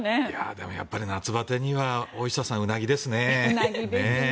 でも夏バテには大下さん、ウナギですね。